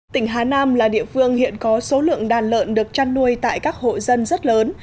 tỉnh hà nam là địa phương hiện có số lượng đàn lợn được chăn nuôi tại các hộ dân rất lớn